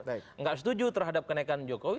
tidak setuju terhadap kenaikan jokowi